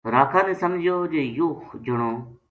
راکھاں نے سمجھیو جے یوہ جنو